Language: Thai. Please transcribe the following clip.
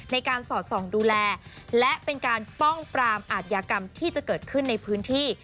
ในการสอดส่องดูแลและเป็นการป้องปรามอาทยากรรมที่จะเกิดขึ้นในพื้นที่